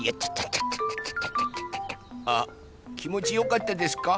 あきもちよかったですか？